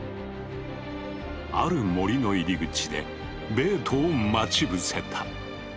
ある森の入り口でベートを待ち伏せた。